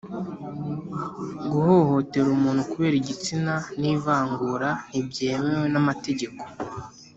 guhohotera umuntu kubera igitsina n’ivangura ntibyemewe n’amategeko